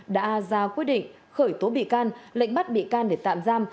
đã ra quyết định khởi tố bị can lệnh bắt bị can để tạm giam